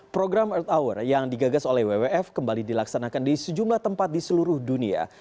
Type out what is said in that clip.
program earth hour yang digagas oleh wwf kembali dilaksanakan di sejumlah tempat di seluruh dunia